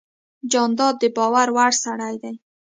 جانداد د باور وړ سړی دی.